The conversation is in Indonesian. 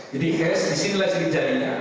jadi hash disinilah yang terjadinya